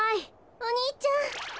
お兄ちゃん。